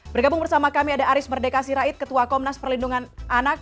bergabung bersama kami ada aris merdeka sirait ketua komnas perlindungan anak